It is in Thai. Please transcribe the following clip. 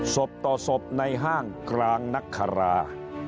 ศพต่อศพในห้างกลางนักคารา